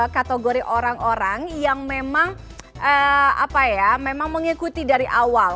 kategori orang orang yang memang apa ya memang mengikuti dari awal